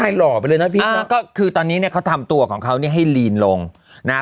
อ่าก็คือตอนนี้เนี้ยเขาทำตัวของเขานี่ให้ลีนลงนะ